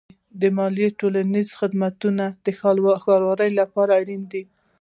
مالیه د ټولنیزو خدماتو د ښه والي لپاره اړینه ده.